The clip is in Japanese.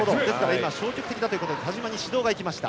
消極的だということで田嶋に指導が行きました。